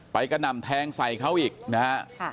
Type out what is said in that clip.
ไปกระด่ำแทงใส่เขาอีกนะครับ